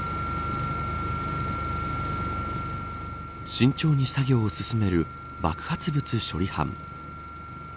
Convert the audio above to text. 慎重に作業を進める爆発物処理班。